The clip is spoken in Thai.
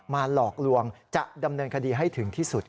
หลอกลวงจะดำเนินคดีให้ถึงที่สุด